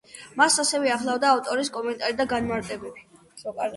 მას ასევე ახლდა ავტორის კომენტარი და განმარტებები.